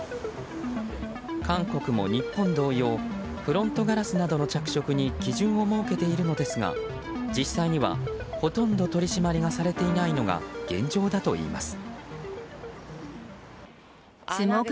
韓国も日本同様フロントガラスなどの着色に基準を設けているのですが実際にはほとんど取り締まりがされていないのが現状だといいます。